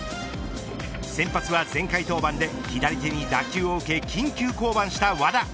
先発は前回登板で左手に打球を受け緊急降板した和田。